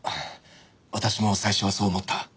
私も最初はそう思った。